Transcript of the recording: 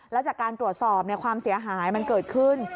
แล้วจากการตรวจสอบความเสียหายมันเกิดขึ้น